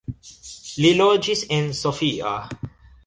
Li loĝis en Sofia.